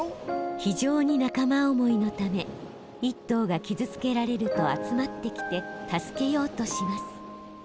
非常に仲間思いのため一頭が傷つけられると集まってきて助けようとします。